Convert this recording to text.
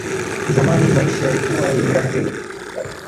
Zamani maisha yalikuwa yenye raha tele